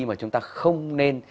mà chúng ta không nên